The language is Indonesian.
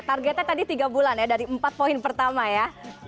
targetnya tadi tiga bulan ya dari empat poin pertama ya